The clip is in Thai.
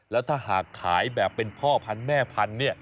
แล้วถ้าหากขายแบบเป็นพ่อพันธุ์แม่พันธุ์เนี่ย